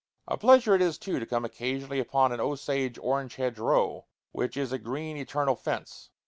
A pleasure it is, too, to come occasionally upon an Osage orange hedge row, which is a green eternal fence.